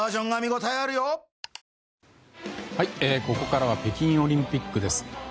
ここからは北京オリンピックです。